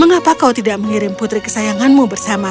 mengapa kau tidak mengirim putri kesayanganmu bersama